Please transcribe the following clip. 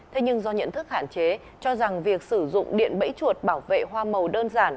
thế nhưng do nhận thức hạn chế cho rằng việc sử dụng điện bẫy chuột bảo vệ hoa màu đơn giản